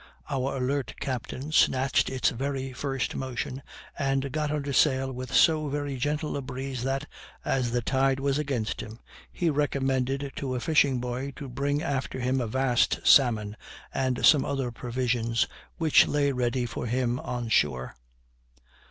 Our alert captain snatched its very first motion, and got under sail with so very gentle a breeze that, as the tide was against him, he recommended to a fishing boy to bring after him a vast salmon and some other provisions which lay ready for him on shore.